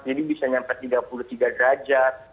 jadi bisa nyampe tiga puluh tiga derajat